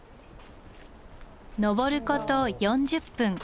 上ること４０分。